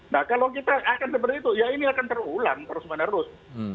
nah kalau kita akan seperti itu ya ini akan terulang terus menerus